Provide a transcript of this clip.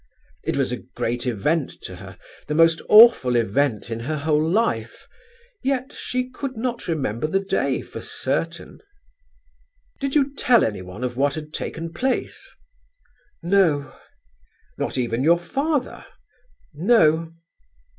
It was a great event to her; the most awful event in her whole life; yet she could not remember the day for certain. "Did you tell anyone of what had taken place?" "No." "Not even your father?" "No."